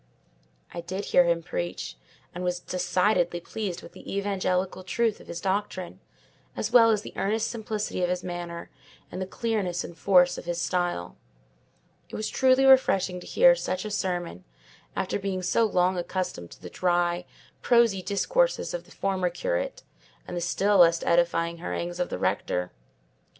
I did hear him preach, and was decidedly pleased with the evangelical truth of his doctrine, as well as the earnest simplicity of his manner, and the clearness and force of his style. It was truly refreshing to hear such a sermon, after being so long accustomed to the dry, prosy discourses of the former curate, and the still less edifying harangues of the rector.